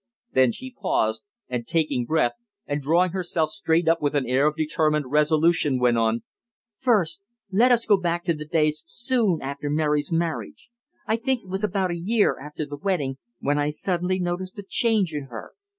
Then she paused, and, taking breath and drawing herself up straight with an air of determined resolution, went on: "First, let us go back to the days soon after Mary's marriage. I think it was about a year after the wedding when I suddenly noticed a change in her.